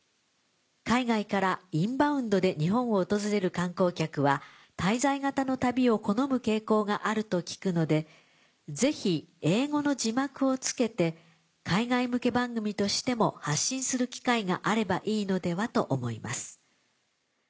海外からインバウンドで日本を訪れる観光客は滞在型の旅を好む傾向があると聞くのでぜひ英語の字幕を付けて海外向け番組としても発信する機会があればいいのではと思います」。